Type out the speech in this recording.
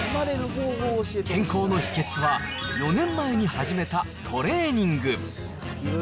健康の秘けつは、４年前に始めたトレーニング。